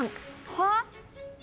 はっ？